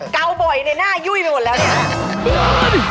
เก่าบ่อยในหน้ายุ่ยไปหมดแล้วเนี่ย